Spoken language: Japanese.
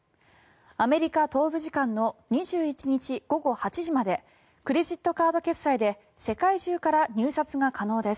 アメリカ東部時間の２１日午後８時までクレジットカード決済で世界中から入札が可能です。